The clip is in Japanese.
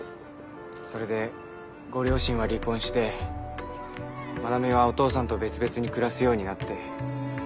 ⁉それでご両親は離婚して真名美はお父さんと別々に暮らすようになって。